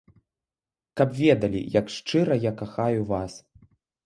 Каб ведалі, як шчыра я кахаю вас.